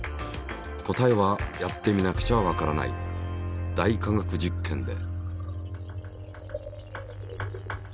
答えはやってみなくちゃわからない「大科学実験」で。